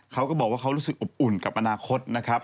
เขาก็บอกว่าเขารู้สึกอบอุ่นกับอนาคตนะครับ